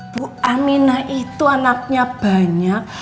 bu amina itu anaknya banyak